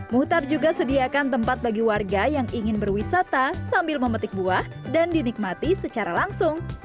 muhtar juga sediakan tempat bagi warga yang ingin berwisata sambil memetik buah dan dinikmati secara langsung